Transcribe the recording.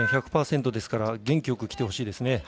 １００％ですから元気よくきてほしいですね。